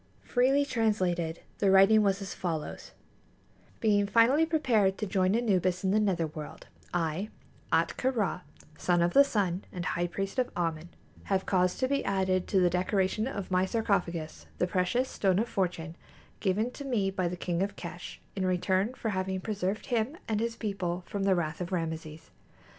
Freely translated, the writing was as follows: "Being finally prepared to join Anubis in the nether world, I, Ahtka Rā, son of the Sun and High Priest of Āmen, have caused to be added to the decoration of my sarcophagus the precious Stone of Fortune given to me by the King of Kesh[A] in return for having preserved him and his people from the wrath of Rameses.